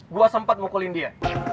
gue sempet mukulin dia